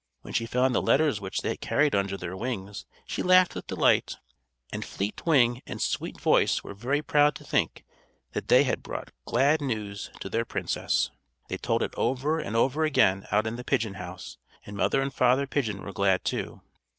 When she found the letters which they carried under their wings, she laughed with delight; and Fleet Wing and Sweet Voice were very proud to think that they had brought glad news to their princess. They told it over and over again out in the pigeon house, and Mother and Father Pigeon were glad, too.